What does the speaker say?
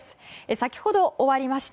先ほど終わりました